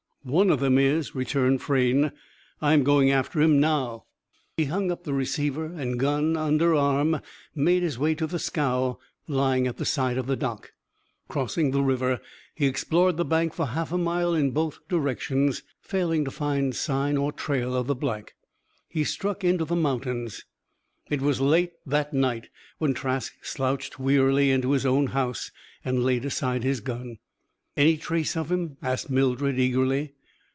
"One of them is," returned Frayne. "I'm going after him, now." He hung up the receiver, and, gun under arm, made his way to the scow lying at the side of the dock. Crossing the river, he explored the bank for a half mile in both directions. Failing to find sign or trail of the Black, he struck into the mountains. It was late that night when Trask slouched wearily into his own house and laid aside his gun. "Any trace of him?" asked Mildred, eagerly.